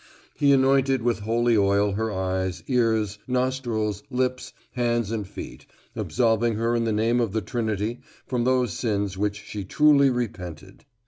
He anointed with holy oil her eyes, ears, nostrils, lips, hands and feet, absolving her in the name of the Trinity from those sins which she truly repented.